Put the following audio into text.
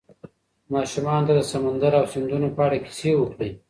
ماشومانو ته د سمندر او سیندونو په اړه کیسې وکړئ.